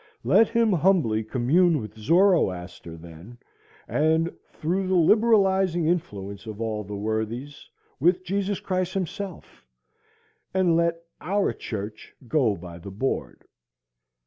Let him humbly commune with Zoroaster then, and through the liberalizing influence of all the worthies, with Jesus Christ himself, and let "our church" go by the board.